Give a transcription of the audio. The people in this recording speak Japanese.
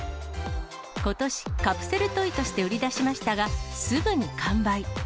ことし、カプセルトイとして売り出しましたが、すぐに完売。